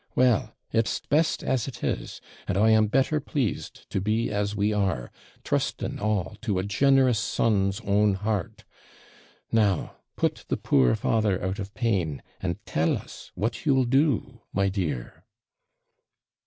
Well, it's best as it is, and I am better pleased to be as we are, trusting all to a generous son's own heart. Now put the poor father out of pain, and tell us what you'll do, my dear.'